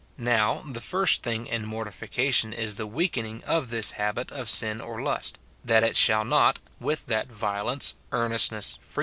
Now, the first thing in mor tification is the weakening of this habit of sin or lust, that it shall not, with that violence, earnestness, fre llom.